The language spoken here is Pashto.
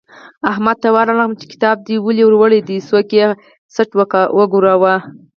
احمد ته ورغلم چې کتاب دې ولې وړل دی؛ سوکه یې څټ وګاراوو.